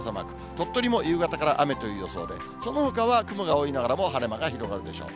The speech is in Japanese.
鳥取も夕方から雨という予想で、そのほかは雲が多いながらも、晴れ間が広がるでしょう。